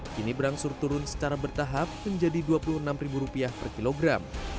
kini berangsur turun secara bertahap menjadi rp dua puluh enam per kilogram